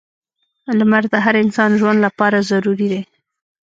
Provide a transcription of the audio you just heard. • لمر د هر انسان ژوند لپاره ضروری دی.